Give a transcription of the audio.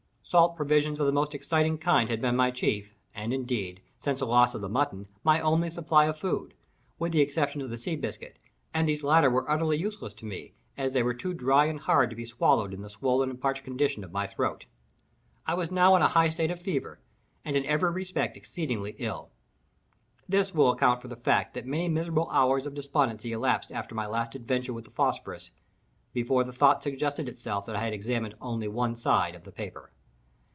Salt provisions of the most exciting kind had been my chief, and, indeed, since the loss of the mutton, my only supply of food, with the exception of the sea biscuit; and these latter were utterly useless to me, as they were too dry and hard to be swallowed in the swollen and parched condition of my throat. I was now in a high state of fever, and in every respect exceedingly ill. This will account for the fact that many miserable hours of despondency elapsed after my last adventure with the phosphorus, before the thought suggested itself that I had examined only one side of the paper.